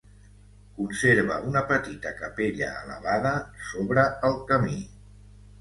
Conserva una petita capella elevada sobre el camí.